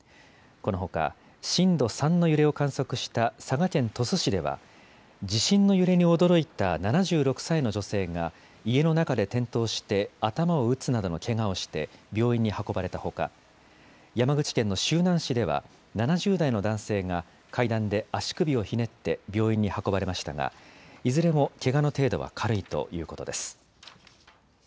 このほか、震度３の揺れを観測した佐賀県鳥栖市では、地震の揺れに驚いた７６歳の女性が家の中で転倒して頭を打つなどのけがをして、病院に運ばれたほか、山口県の周南市では、７０代の男性が階段で足首をひねって病院に運ばれましたが、いずれもけがの程度は軽いということです。